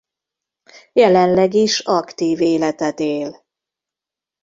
Jelenleg is aktív életet él.